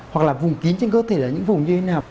hoặc là vùng kín trên cơ thể ở những vùng như thế nào